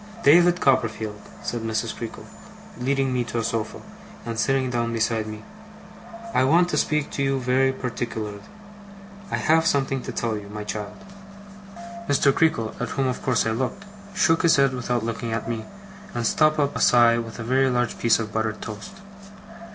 'David Copperfield,' said Mrs. Creakle, leading me to a sofa, and sitting down beside me. 'I want to speak to you very particularly. I have something to tell you, my child.' Mr. Creakle, at whom of course I looked, shook his head without looking at me, and stopped up a sigh with a very large piece of buttered toast.